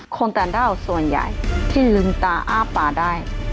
คนต่างด้าวส่วนใหญ่ที่ลืมตาอ้าปากได้